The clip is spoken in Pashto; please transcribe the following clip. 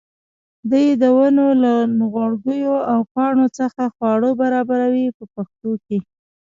دوی د ونو له نغوړګیو او پاڼو څخه خواړه برابروي په پښتو کې.